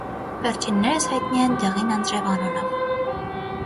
Վերջիններս հայտնի են «դեղին անձրև» անունով։